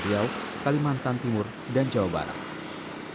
riau kalimantan timur dan jawa barat